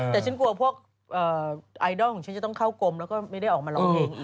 แต่ฉันกลัวพวกไอดอลของฉันจะต้องเข้ากรมแล้วก็ไม่ได้ออกมาร้องเพลง